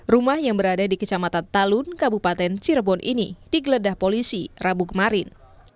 rumah yang berada di kecamatan talun kabupaten cirebon ini digeledah polisi rabu kemarin